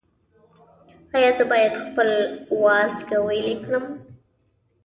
ایا زه باید خپل وازګه ویلې کړم؟